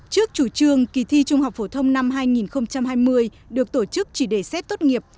trước chủ trương kỳ thi trung học phổ thông năm hai nghìn hai mươi được tổ chức chỉ để xét tốt nghiệp